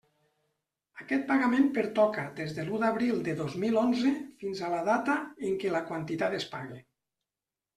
Aquest pagament pertoca des de l'u d'abril de dos mil onze fins a la data en què la quantitat es pague.